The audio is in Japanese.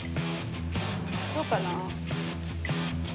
どうかな？